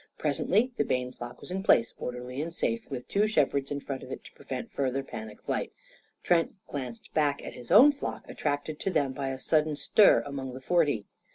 Presently the Bayne flock was in its place, orderly and safe, with two shepherds in front of it to prevent further panic flight. Trent glanced back at his own flock, attracted to them by a sudden stir among the forty.